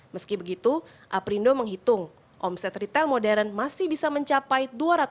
meski begitu aprindo menghitung omset retail modern masih bisa mencapai